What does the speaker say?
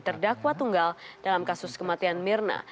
terdakwa tunggal dalam kasus kematian mirna